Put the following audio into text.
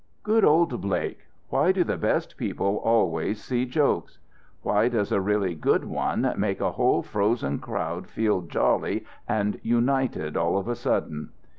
"Good old Blake. Why do the best people always see jokes? Why does a really good one make a whole frozen crowd feel jolly and united all of a sudden?"